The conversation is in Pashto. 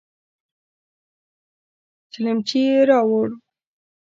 چلمچي يې راووړ.